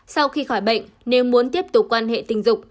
sau khi khỏi bệnh nếu muốn tiếp tục quan hệ tình dục